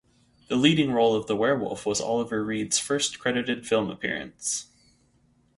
The leading role of the werewolf was Oliver Reed's first credited film appearance.